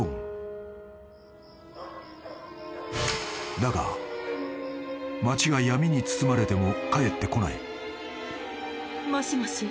［だが町が闇に包まれても帰ってこない］